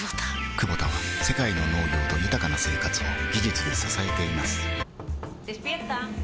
クボタは世界の農業と豊かな生活を技術で支えています起きて。